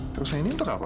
terus ini untuk apa